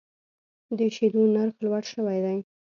د شیدو نرخ لوړ شوی دی.